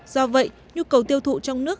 do vậy nhu cầu tiêu thụ